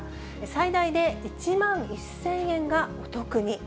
最大で１万１０００円がお得に。